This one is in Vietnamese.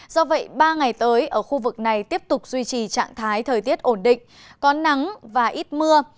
do vậy ba ngày tới ở khu vực này tiếp tục duy trì trạng thái thời tiết ổn định có nắng và ít mưa